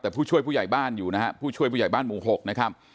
แต่ผู้ช่วยผู้ใหญ่บ้านอยู่นะฮะผู้ช่วยผู้ใหญ่บ้านหมู่๖นะครับ